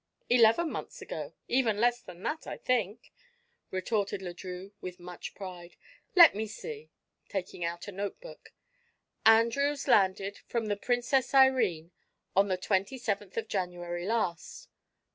"Eleven months ago even less than that, I think," retorted Le Drieux, with much pride. "Let me see," taking out a notebook, "Andrews landed from the Princess Irene on the twenty seventh of January last."